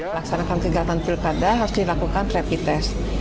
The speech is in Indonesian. melaksanakan kegiatan pilkada harus dilakukan rapid test